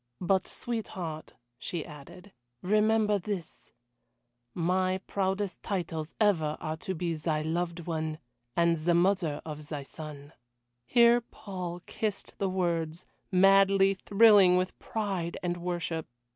"But, sweetheart," she added, "remember this my proudest titles ever are to be thy Loved one, and the Mother of thy son." Here Paul kissed the words, madly thrilling with pride and worship.